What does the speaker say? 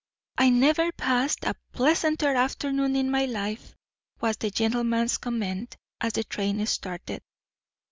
"I never passed a pleasanter afternoon in my life," was the gentleman's comment as the train started.